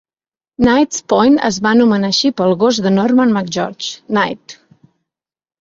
Knight's Point es va anomenar així pel gos de Norman McGeorge, Knight.